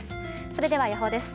それでは予報です。